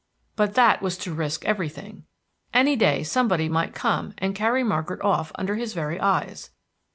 But that was to risk everything. Any day somebody might come and carry Margaret off under his very eyes.